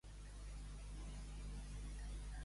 T'hi submergires perquè tothom et mirés.